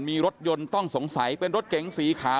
มีรถยนต์ต้องสงสัยเป็นรถเก๋งสีขาว